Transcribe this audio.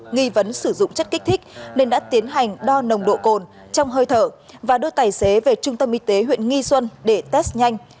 nghi vấn sử dụng chất kích thích nên đã tiến hành đo nồng độ cồn trong hơi thở và đưa tài xế về trung tâm y tế huyện nghi xuân để test nhanh